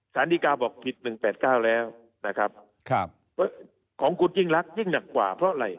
สารดีกาบอกผิด๑๘๙แล้วนะครับของคุณยิ่งรักยิ่งหนักกว่าเพราะอะไร